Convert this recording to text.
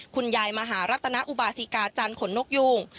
คุณยายมหารัตนอุบาสิกาจานขนกยูง